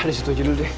disitu aja dulu deh